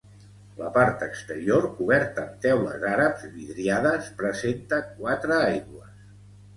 La part exterior, coberta amb teules àrabs vidriades, presenta quatre aigües.